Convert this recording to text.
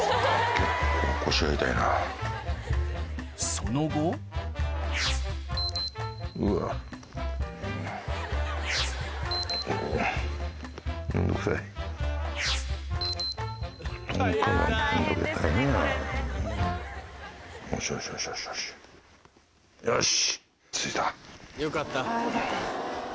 その後よしよし。